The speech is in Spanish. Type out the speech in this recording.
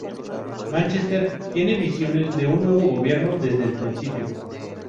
Manchester tiene visiones de un nuevo gobierno, desde el principio.